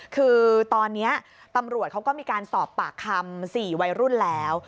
คือตอนนี้ตำรวจเขาก็มีการสอบปากคำ๔วัยรุ่นแล้ว